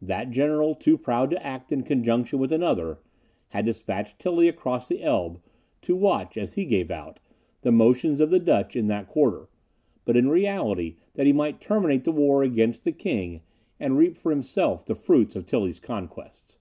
That general, too proud to act in conjunction with another, had dispatched Tilly across the Elbe, to watch, as he gave out, the motions of the Dutch in that quarter; but in reality that he might terminate the war against the king, and reap for himself the fruits of Tilly's conquests.